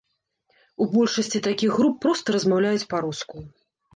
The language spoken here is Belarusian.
У большасці такіх груп проста размаўляюць па-руску.